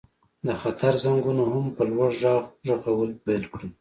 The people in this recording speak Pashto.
د خطر زنګونو هم په لوړ غږ غږول پیل کړل